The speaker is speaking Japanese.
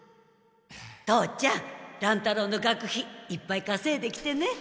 父ちゃん乱太郎の学費いっぱいかせいできてね。